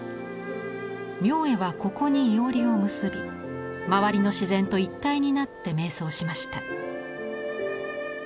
明恵はここに庵を結び周りの自然と一体になってめい想しました。